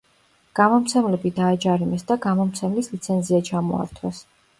გამომცემლები დააჯარიმეს და გამომცემლის ლიცენზია ჩამოართვეს.